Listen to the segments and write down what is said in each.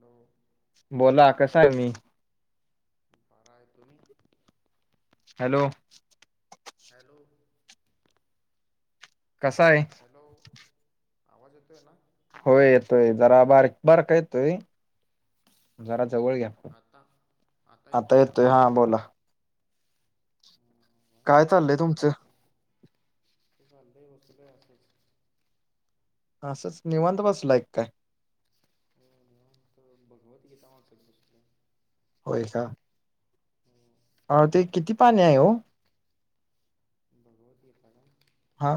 नऊ बोला कसा आहे मी. पाराय तुमही हॅलो! हॅलो! कसा आहे? हॅलो आवाज येतो आहे ना. होय येतोय जरा बारक बारक येतोय जरा जवळ घ्या. आता आता येतोय हा बोला. ह म काय चाललंय कोणचं ते चाललंय वतू काय असेच. असंच निवांत बसलायक काय? हो तर भगवद्गीता वाचत बसलं. हो का? म अ ते किती पाणी आहे हो. बघुया ही कम. हा.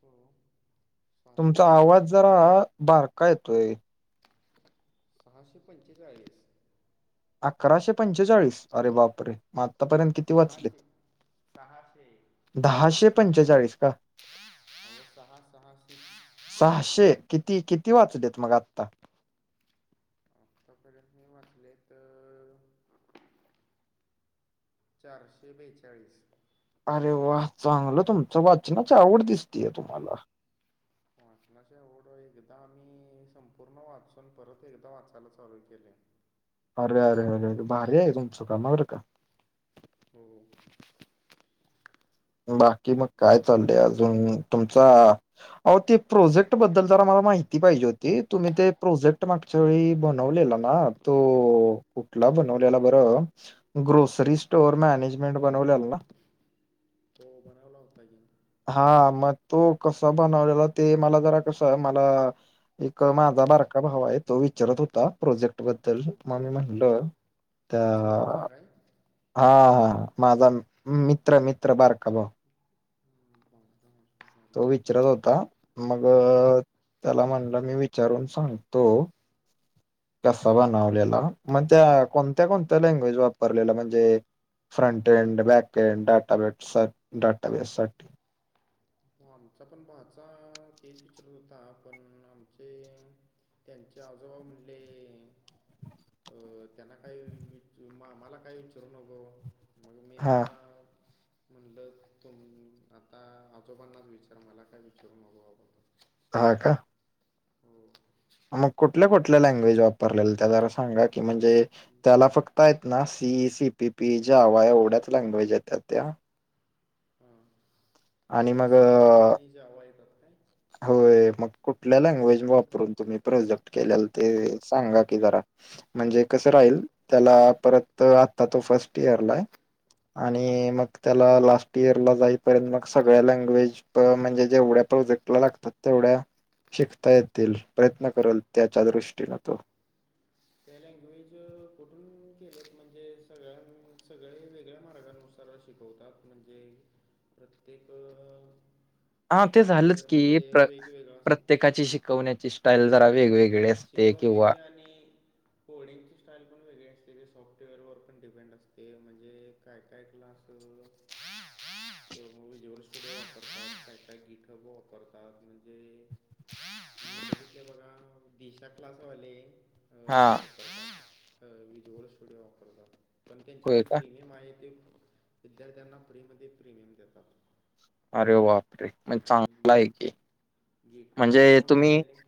तो तुमचा आवाज जरा बारका येतोय. सहाशे पंचेचाळीस. अकराशे पंचेचाळीस अरे बाप रे मग आत्तापर्यंत सहाशे सहाषे दहाशे पंचेचाळीस का? सहा सहा स सहाशे किती किती वाचलेत मग आत्ता. आत्तापर्यंत मी वाचले तर चारशे बेचाळीस अरे वा चांगलं तुमचं वाचनाच आवड दिसतीय तुम्हाला वाचनाची आवड एकदा आम्ही संपूर्ण वाचून परत एकदा वाचायला चालू केले. अरे अरे अरेे भारी आहे तुमचं कामावर का? हो. बाकी मग काय चाललंय अजून तुमचा अ ते प्रोजेक्ट बद्दल ज आम्हाला माहिती पाहिजे होती तुम्ही ते प्रोजेक्ट माग त्या वेळी ळी बनवलेला ना तो कुठला बनवलेला बरं. ग्रोसरी स्टोअर मॅनेजमेंट बनवलेल ना. हो बनवला होता की. हा मग तो कसा बनवलेला ते मला जरा कसं मला. एक माझा बारका भाव आहे तो विचारत होता प्रोजेक्ट बद्दल हं. मग मी म्हणलं. तुमचा तर भाचा काय हा हा माझा मित्र मित्र बारका भाऊ. तो विचारत होता मग त्याला म्हणलं मी विचारून सांगतो. कसा बनवलेला मग त्या कोणत्या कोणत्या लँग्वेज वापरलेला म्हणजे. Front end backend database database साठी. हो, आमचा पण पहाचा तेच विचारत होता पण आमचे त्यांचे आजोबा म्हणले अ त्यांना काय वि मला काय विचारू नको मग मी हा आता म्हटल तुम आता आजोबा पन्नास विचार तर मला काय विचारू नको आपणच हा का हो मग कुठल्या कुठल्या लँग्वेज वापरलेल्या त्या जरा सांगा की म्हणजे त्याला फक्त आहेत ना सीई सी पी पी ज्या हवा एवढ्याच लँग्वेज आहेत त्या त्या हा आणि ते मग सी पी अ, पियानी जावा येतात काय होय मग कुठल्या लँग्वेज कुठ वापरून तुम्ही प्रोजेक्ट केलेला ते सांगा की जरा म्हणजे कसं परत राहील त्याला परत आता तो फर्स्ट इयरला आहे हां आणि मग त्याला लास्ट इयर ला जायच पर्यंत मग सगळ्या लँग्वेज म्हणजे जेवढ्या प्रोजेक्ट लागतात तेवढ्या शिकता येतील प्रयत्न करेल त्याच्या दृष्टीनं तो त्या लँग्वेज कुठून केलेत म्हणजे सगळ्यां सगळे वेगळ्या मार्गानुसार तर शिकवतात म्हणजे प्रत्येक हा ते झालंच की सॉफ्टवेअरमध्ये प्र वेगवेगळं असतं प्रत्येकाची शिकवण्याची स्टाईल जरा वेगवेगळी असते किंवा शिकवण्याच्या आणि कोडिंगची स्टाईल पण वेगळी असते सॉफ्टवेअरवर पण डिपेंड असते म्हणजे काय काय क्लासं हा तेवा मूवी जेव वातात काय काय गीठ वापरतात म्हणजे बघा दिशा क्लासावाले हा विजुअल स्टुडिओ वाऑफरत पण होय त्यांच्याकडे का प्रीमियम आहे ते विद्यार्थ्यांना फ्रीमध्ये प्रीमियम देतात अरे वापरे म्हण आणि चांगला आहे की गेटअप म्हणजे अकाउंट तुम्ही हँडलिंग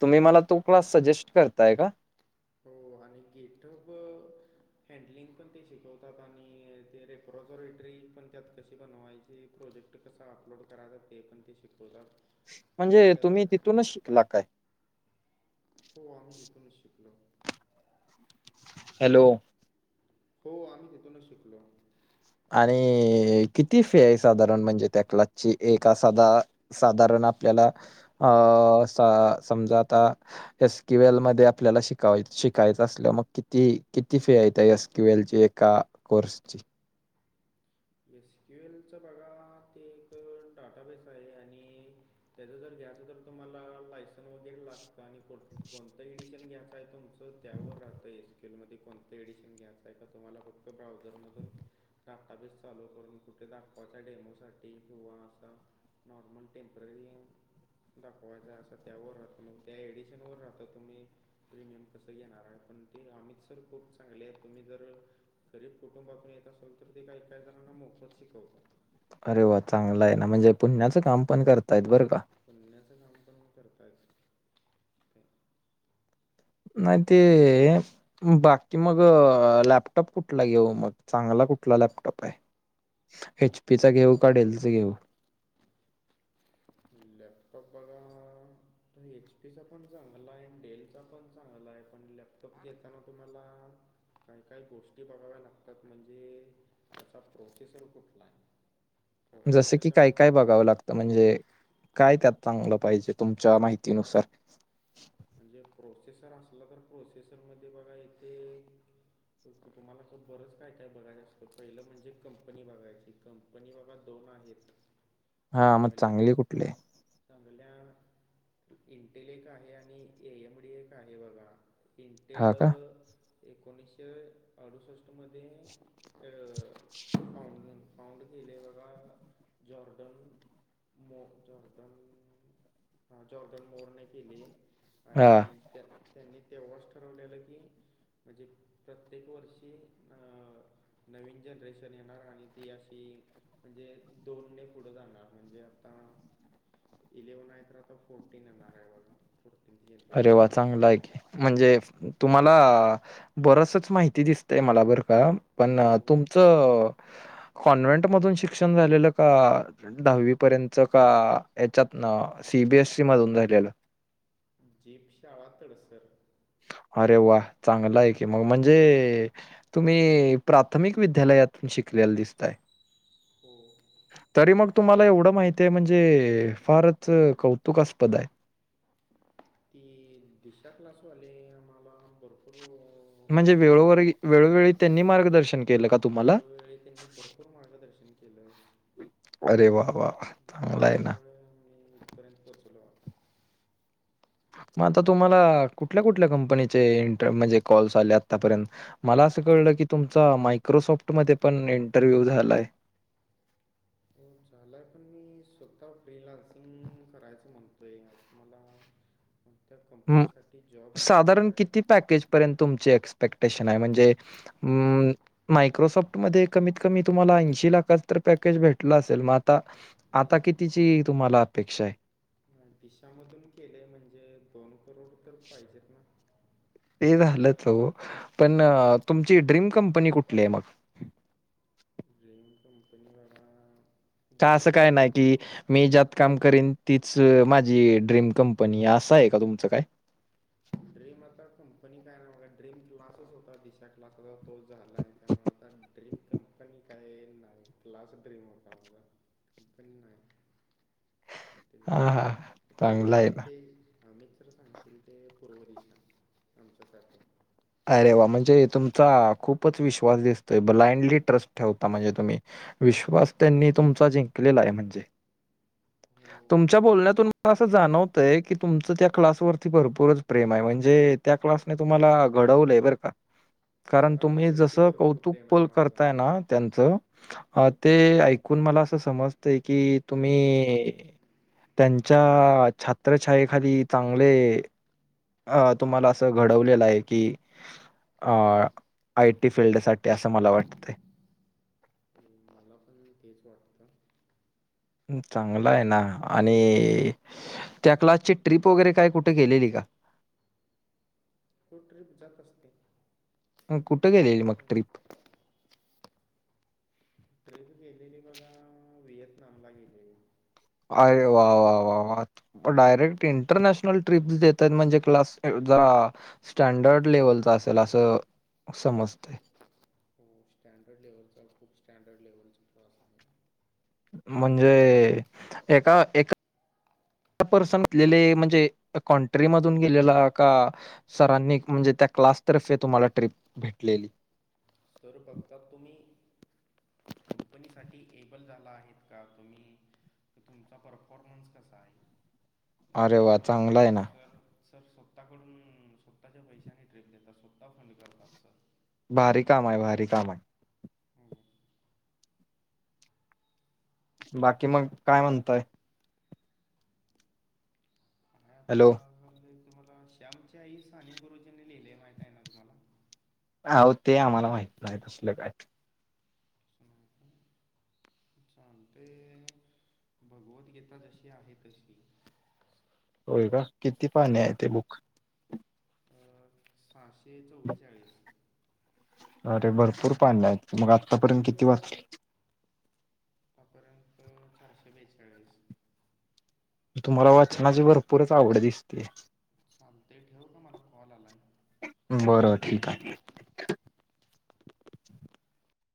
तुम्ही मला तो क्लास सजेस्ट करताय का हो हान गेटठं हँडलिंग पण ते शिकवतात आणि ते रेप्रोझोरेटरी पण त्यात कशी बनवायची प्रोजेक्ट कस अपलोड करायचाात ते पण ते शिकवतात किंवा म्हणजे त्यात तुम्ही आप- तिथूनच शिकला काय हो आम्ही तिथूनच शिकलो हॅलो हो आम्ही तेिथूनच शिकलो आणि किती फे आहे साधारण म्हणजे त्या कलाची एक सदा साधारण आपल्याला अं समजा आता एस क्यूएल मध्ये आपल्याला शिकाय शिकायचं असल मग किती किती फे येतस टवेल्थची एका कोर्सची एस क्यू एल च बघा ते एक टाटा बेस आहे आणि त्याच जर घ्यायचं तर तुम्हाला लायसन् वगेर लागतं आणि कोणतं एडिशन घ्यायचं आहे तुमच तर त्यावर आहता एसकेलमध्ये कोणतं एडिशन घ्यायचं आहे का तुम्हाला फक्त ब्राऊझरमधून काताबीज चालू करून कुठे दाखवायच्या डेमो साठी किंवा असा ना मण टईम प्र दाखवायच असं त्यावर राहतो मग त्या एडिशन वर राहतो तुम्ही प्रीमियम कसं येणार पण ते आमित सर खूप चांगले आहे तुम्ही जर गरीब कुटुंबातून येत असेल तर ते का एकाही जणांना मोफत शिकवतात अरे वा चांगला आहे ना म्हणजे पुण्याचं काम पण करतायत बरं का पुण्याचं काम पण करताात नाही ते बाकी मग लॅपटॉप कुठला घेऊ मग चांगला कुठला लॅपटॉप आहे एच पी चा घेऊ का डेलचा घेऊ? लॅपटॉप बघा एचपीचा पण चांगला आहे डेल चा पण चांगला आहे पण लॅपटॉप घेताना तुम्हाला काही काही गोष्टी बघाव्या लागतात म्हणजे त्याचा प्रोसेसर कुठला आहे. जसं की काय प्रोसेसरच्यावर काय बघाव लागतं म्हणजे काय त्यात चांगलं पाहिजे तुमच्या माहितीनुसार म्हणजे प्रोसेसर असलं तर प्रोसेसरमध्ये बघा इथे तुम्हाला असं बरंच काय काय बघायण्या असतों पहिलं म्हणजे कंपनी बघायची. कंपनी बघा दोन आहेत हां, मग चांगल्या चांगली कुठली आहे? चांगल्या इंटले एक आहे. आणि एएमडी एक आहे बघा इंटेल हां का? एकोणीसशे अडुसष्टमध्ये पाउंड केले बघा जॉर्डन मो जॉर्डन हा जॉर्डन मॉर्डने केली हां. आणि त्यांनी तेव्हाच ठरवलेलं की म्हणजे प्रत्येक वर्षी अ नवीन जनरेशन येणार आणि ती अशी म्हणजे दोन ने पुढे जाणार म्हणजे आता इलेव्हन आहेत तर आता फोर्टीन येणार आहे बघा पुरपंदल [unintelligible] अरे वा चांगलं आहे की म्हणजे आणि तुम्हाला त्याचे बरसच माहिती दिसतय मला बरं का पण हो तुमचं कॉन्व्हेंट मधून शिक्षण झालेलं का? दहावी पर्यंतच का याच्यातून सीबीएससी मधून झालेलं जेपशाळा तडसर अरे वा चांगलं आहे की मग म्हणजे तुम्ही प्राथमिक विद्यालयातून शिकलेला दिसताय हो तरी मग तुम्हाला एवढं माहितीय म्हणजे फारच कौतुकास्पद आहे. ती दिशा क्लासवाले आम्हाला भरपूर म्हणजे हो वेळोवर काढ वेळोवेळी त्यांनी मार्गदर्शन केलं का तुम्हाला? वेळवेळे त्यांनी भरपुर मार्गदर्शन खलंो [unintelligible] अरे वा वा वा त्यामुळे मी इथपर्यंत पोहचलो. मग आता तुम्हाला कुठल्या कुठल्या कंपनीचे इंटर म्हणजे कॉल्स आले आतापर्यंत? मला असं कळलं की तुमचा मायक्रोसॉफ्ट मध्ये पण इंटरव्ह्यू झालाय. हो झालाय पण मी स्वतः फ्रीलान्सिंग करायचं म्हणतोय. मला कोणत्या हं, कंपनीसाठी जॉब नाही करायचा. कुठपर्यंत तुमची एक्स्पेक्टेशन आहे म्हणजे मायक्रोसॉफ्ट मध्ये कमीत कमी तुम्हाला ऐंशी लाखाच तर पॅकेज भेटलं असेल मग आता दिस आता कितीची तुम्हाला अपेक्षा आहे? दिशामधून केले म्हणजे दोन करोड तर पाहिजेत ना ते झालंच हो पण तुमची ड्रीम कंपनी कुठली आहे मग ड्रीम कंपनी बघा का दिशा असं काय नाही इंडस्ट्री कि मी ज्यात काम करीन तीच माझी ड्रीम कंपनी असं आहे का तुमचं काय ड्रीम आता कंपनी काय नाही मग ड्रीम क्लासच होता दिशा क्लासचा तोच झाला आहे त्यामुळे आता. ड्रीम कंपनी काही नाही क्लास ड्रीम होता माझा कंपनी नाही. ते हां, हां. ते चांगलं आहे देतील ना. ते आ मित्र सांगतील ते पूर्व दिशा आमच्यासाठी अरे वा म्हणजे तुमचा खूपच विश्वास दिसतोय ब्लाइंडली ट्रस्ट ठेवता म्हणजे तुम्ही. विश्वास त्यांनी तुमचा जिंकलेला आहे म्हणजे. हो. तुमच्या बोलण्यातून मला असं जाणवतय की तुमचं त्या क्लासवरती भरपूरच प्रेम आहे म्हणजे. त्या क्लासने तुम्हाला. घडवलंय बर का कारण तुम्ही सरांवरती जसं भरपूर कौतुक प्रेम आहे पण माझं करताय ना त्यांचं. अ ते ऐकून मला असं समजतय की तुम्ही. त्यांच्या छात्रछायेखाली चांगले. अ तुम्हाला असं घडवलेलं आहे की. आयटी फिल्डसाठी असं मला वाटतं. मला पण तेच वाटतं. चांगला आहे ना आणि त्या क्लासची ट्रिप वगैरे काय कुठे गेलेली का. तू ट्रीप जात असते. अ, कुठे गेलेली मग ट्रिप? तरी तू गेलेली बघ व्हिएतनाम ला गेलेली. अरे वा वा वा वा डायरेक्ट इंटरनॅश ट्रिप्स देतात म्हणजे क्लास स्टँडर्ड लेवलचा असेल असं. समज. खूप स्टँडर्ड लेव्हलचा खूप स्टँडर्ड लेव्हलचा तस. म्हणजे एका एका. पर्सन घलेले म्हणजे कंट्री मधून गेलेला का. सरांनी म्हणजे त्या क्लासतर्फे तुम्हाला ट्रिप भेटलेली. तर फघत तुम्ही. कंपनीसाठी एबल झाला आहेत का तुम्ही. तर तुमचा परफॉर्मन्स कसा आहे मग अरे वा त्यावर चांगला आहे ना सर. सर स्वतःकडून स्वतःच्या पैशांनी ट्रिप घेतात स्वतः फंड करतात सर. भारी काम आहे भारी काम आहे. हो. बाकी मग काय म्हणताय. काय आता हॅलो झा तुम्हाला श्यामच्या आई साने गुरुजीनी लिहिलेय माहिती आहे ना तुम्हाला. हो ते आम्हाला माहित नाही तसलं काय. कणाक [unintelligible] सांगते भगवत गीता जशी आहे तशी. होय का किती अ, पाहण्या आहे तेे बुक. अ, सहाशे चव्वेचाळीस. अरे भरपूर पान आहेत मग आत्तापर्यंत किती वाजतील. हपर्यंत चारशे बेचाळीस. तुम्हाला वाचनाची भरपूरच आवड दिसते. चालते ठेवू का मला कॉल आलाय. बर ठीक आहे.